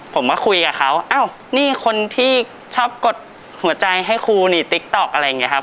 ผมมาคุยกับเขาอ้าวนี่คนที่ชอบกดหัวใจให้ครูนี่ติ๊กต๊อกอะไรอย่างนี้ครับ